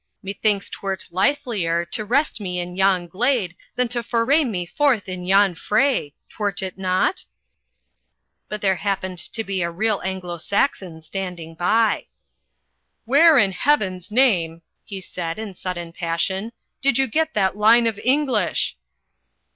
Methinks twert lithlier to rest me in yon glade than to foray me forth in yon fray! Twert it not?" But there happened to be a real Anglo Saxon standing by. "Where in heaven's name," he said in sudden passion, "did you get that line of English?"